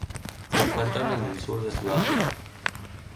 Se encuentran en el sur de Sudáfrica.